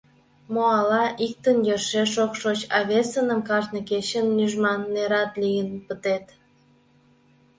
Мо ала: иктын йӧршеш ок шоч, а весыным кажне кечын нӱжман — нерат лийын пытет.